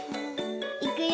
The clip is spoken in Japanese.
いくよ。